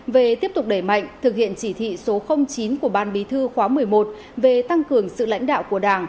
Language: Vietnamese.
về tiếp tục đẩy mạnh thực hiện chỉ thị số chín của ban bí thư khóa một mươi một về tăng cường sự lãnh đạo của đảng